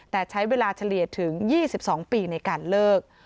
แต่ใช้เวลาเฉลี่ยถึง๒๒ปีในการเลิก